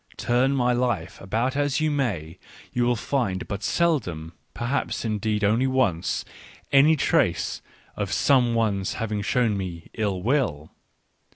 Turn my life about as you may, you will find but seldom — perhaps indeed only once — any trace of some one's having shown me ill will.